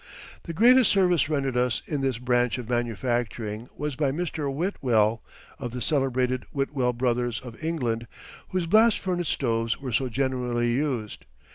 The greatest service rendered us in this branch of manufacturing was by Mr. Whitwell, of the celebrated Whitwell Brothers of England, whose blast furnace stoves were so generally used.